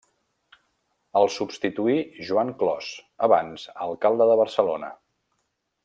El substituí Joan Clos, abans alcalde de Barcelona.